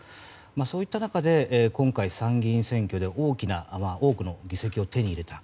そういった中で今回、参議院選挙で多くの議席を手に入れた。